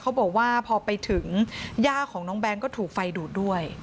เขาบอกว่าพอไปถึงย่าของน้องแบงค์ก็ถูกไฟดูดด้วย